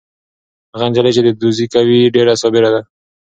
هغه نجلۍ چې دوزي کوي ډېره صابره ده.